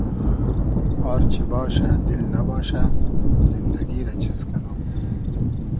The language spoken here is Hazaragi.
آر چی باشۂ دیل نئباشۂ زیندئگی رۂ چیز کئنوم